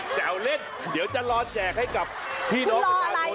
แต่เอาเล็กเดี๋ยวจะรอแจกให้กับพี่น้องอาจารย์ค่ะ